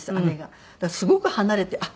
だからすごく離れて。